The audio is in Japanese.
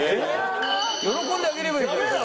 喜んであげればいいじゃん。